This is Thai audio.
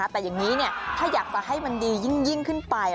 แต่อย่างนี้ถ้าอยากจะให้มันดียิ่งขึ้นไป